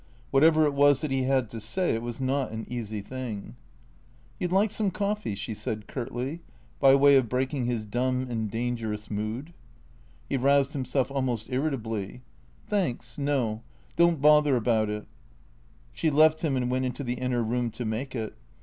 Whatever it was that he had to say it was not an easy thing. THECREATOES 233 "You 'd like some coffee?" slie said curtly, by way of break ing his dumb and dangerous mood. He roused himself almost irritably. " Thanks, no. Don't bother about it." She left him and went into the inner room to make it.